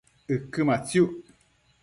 ëquë matsiuc